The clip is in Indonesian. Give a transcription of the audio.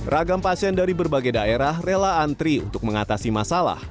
ragam pasien dari berbagai daerah rela antri untuk mengatasi masalah